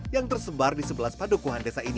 yang tersebar di sebelas padokuhan desa ini